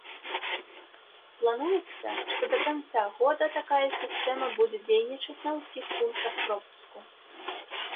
Плануецца, што да канца года такая сістэма будзе дзейнічаць на ўсіх пунктах пропуску.